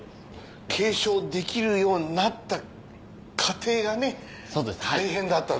継承できるようになった過程が大変だったんですよね。